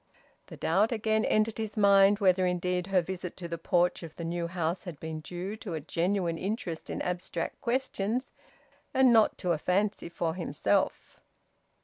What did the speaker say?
The doubt again entered his mind whether indeed her visit to the porch of the new house had been due to a genuine interest in abstract questions and not to a fancy for himself.